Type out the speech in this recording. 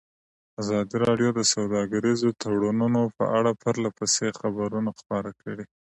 ازادي راډیو د سوداګریز تړونونه په اړه پرله پسې خبرونه خپاره کړي.